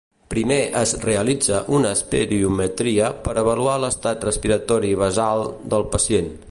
Primer es realitza una espirometria per avaluar l'estat respiratori basal del pacient.